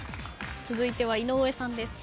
続いては井上さんです。